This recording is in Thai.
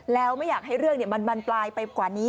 แล้วไม่อยากให้เรื่องมันบานปลายไปกว่านี้